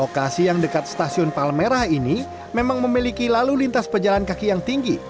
lokasi yang dekat stasiun palmerah ini memang memiliki lalu lintas pejalan kaki yang tinggi